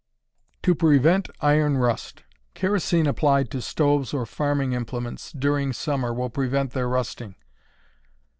To Prevent Iron Rust. Kerosene applied to stoves or farming implements, during summer, will prevent their rusting.